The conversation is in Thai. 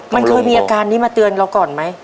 มันเคยมีอาการนี้มาเตือนเราก่อนไหม